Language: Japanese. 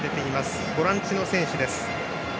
ボランチの選手です。